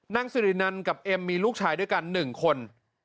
นางสิรินันกับเอ็มมีลูกชายด้วยกัน๑คน